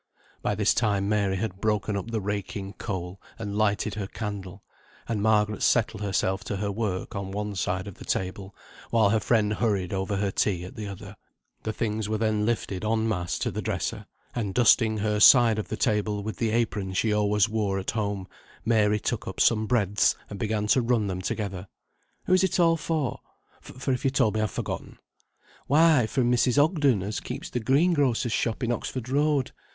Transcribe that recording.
By this time Mary had broken up the raking coal, and lighted her candle; and Margaret settled herself to her work on one side of the table, while her friend hurried over her tea at the other. The things were then lifted en masse to the dresser; and dusting her side of the table with the apron she always wore at home, Mary took up some breadths and began to run them together. "Who's it all for, for if you told me I've forgotten?" "Why for Mrs. Ogden as keeps the greengrocer's shop in Oxford Road.